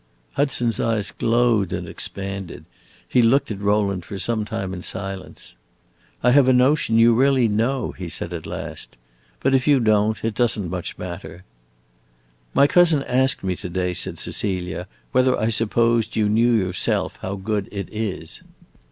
Hudson's eyes glowed and expanded; he looked at Rowland for some time in silence. "I have a notion you really know," he said at last. "But if you don't, it does n't much matter." "My cousin asked me to day," said Cecilia, "whether I supposed you knew yourself how good it is."